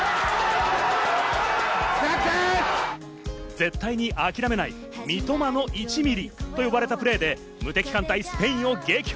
絶対に諦めない「三笘の１ミリ」と呼ばれたプレーで、無敵艦隊・スペインを撃破。